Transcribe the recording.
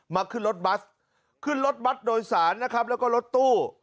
ขึ้นรถบัสขึ้นรถบัตรโดยสารนะครับแล้วก็รถตู้